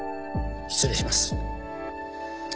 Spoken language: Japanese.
失礼します。